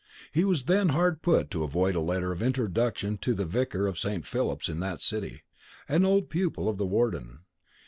He was then hard put to it to avoid a letter of introduction to the vicar of St. Philip's in that city, an old pupil of the warden.